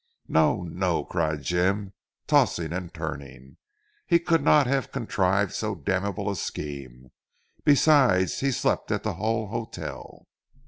"No! No!" Cried Jim tossing and turning, "he could not have contrived so damnable a scheme. Besides he slept at the Hull Hotel."